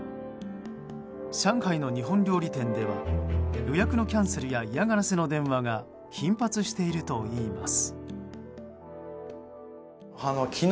上海の日本料理店では予約のキャンセルや嫌がらせの電話が頻発しているといいます。